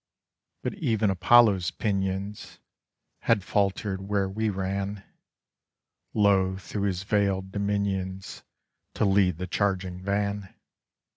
But e'en Apollo's pinions Had faltered where we ran, Low through his veiled dominions, To lead the charging van!